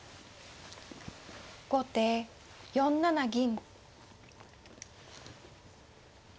後手４七銀。